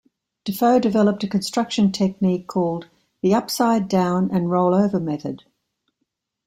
Defoe developed a construction technique called the "upside-down and roll-over" method.